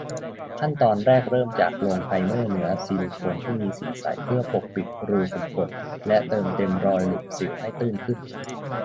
ขั้นตอนแรกเริ่มจากลงไพรเมอร์เนื้อซิลิโคนที่มีสีใสเพื่อปกปิดรูขุมขน และเติมเต็มรอยหลุมสิวให้ตื้นขึ้น